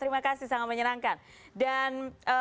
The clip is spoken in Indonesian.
terima kasih sangat menyenangkan